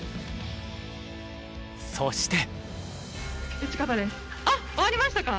そして。